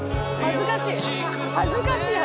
「恥ずかしい。